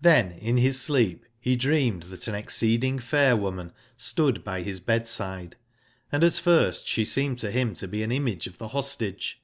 |RB]S in his sleep he dreamed that an exceed ing fair woman stood by his bedside, and at I first she seemed to him to be an image of the Rostage.